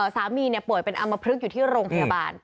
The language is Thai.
สามีป่วยเป็นอำมพลึกอยู่ที่โรงพยาบาล